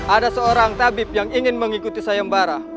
ada seorang tabib yang ingin mengikuti sayembara